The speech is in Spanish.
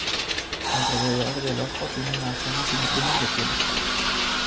Alrededor del ojo tiene una zona sin plumas de piel oscura.